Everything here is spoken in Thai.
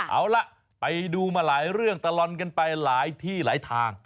เอาล่ะไปดูมาหลายเรื่องตลอดกันไปหลายที่หลายทาง